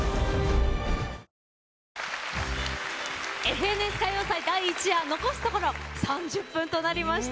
「ＦＮＳ歌謡祭第１夜」残すところ３０分となりました。